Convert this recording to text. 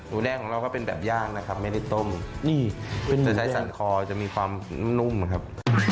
แดงของเราก็เป็นแบบย่างนะครับไม่ได้ต้มนี่จะใช้สันคอจะมีความนุ่มนะครับ